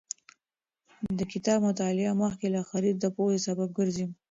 د کتاب مطالعه مخکې له خرید د پوهې سبب ګرځي.